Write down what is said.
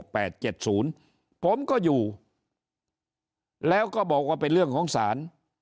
ผมก็อยู่แล้วก็บอกว่าเป็นเรื่องของศาล